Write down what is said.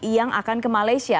yang akan ke malaysia